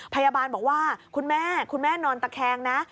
พยาบาลบอกว่าคุณแม่คุณแม่นอนตะแคงนะ